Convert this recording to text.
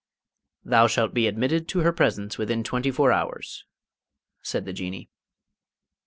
"Thou shalt be admitted to her presence within twenty four hours," said the Jinnee.